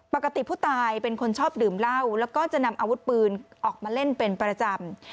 ปกติผู้ตายเป็นคนชอบดื่มเหล้าแล้วก็จะนำอาวุธปืนออกมาเล่นเป็นประจำ